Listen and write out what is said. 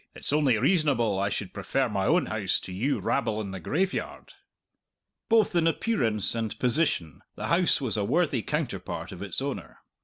"It's only reasonable I should prefer my own house to you rabble in the graveyard!" Both in appearance and position the house was a worthy counterpart of its owner.